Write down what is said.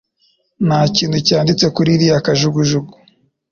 Nta kintu cyanditse kuri iriya kajugujugu.